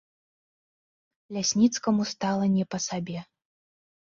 Лясніцкаму стала не па сабе.